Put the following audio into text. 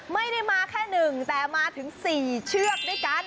ไม่ได้มาแค่หนึ่งแต่มาถึงสี่เชือกด้วยกัน